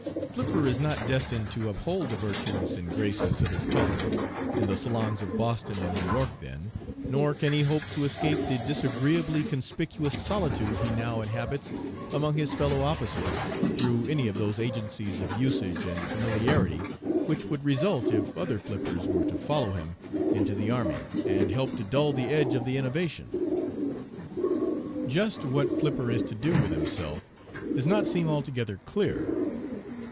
Flipper is not destined to uphold the virtues and graces of his color in the salons of Boston and New York, then, nor can he hope to escape the disagreeably conspicuous solitude he now inhabits among his fellow officers through any of those agencies of usage and familiarity which would result if other Flippers were to follow him into the army and help to dull the edge of the innovation. Just what Flipper is to do with himself does not seem altogether clear.